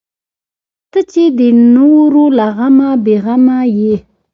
ته چې د نورو له غمه بې غمه یې.